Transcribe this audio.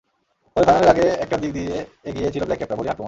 তবে ফাইনালের আগে একটা দিক দিয়ে এগিয়ে ছিল ব্ল্যাক ক্যাপরা—বোলিং আক্রমণ।